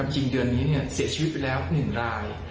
เดือนนี้เสียชีวิตไปแล้ว๑ราย